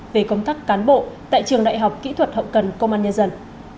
về công tác cán bộ tại trường đại học kỹ thuật hậu cần công an nhân dân